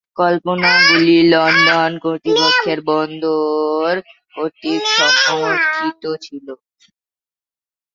পরিকল্পনাগুলি লন্ডন কর্তৃপক্ষের বন্দর কর্তৃক সমর্থিত ছিল।